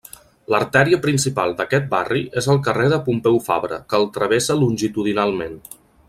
L'artèria principal d'aquest barri és el carrer de Pompeu Fabra que el travessa longitudinalment.